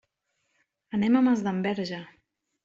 Anem a Masdenverge.